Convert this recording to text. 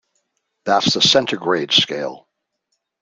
That's the centigrade scale.